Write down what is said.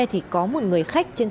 thì có một người khách trở lại